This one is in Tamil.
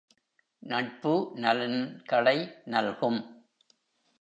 நட்பு நலன்களை நல்கும்.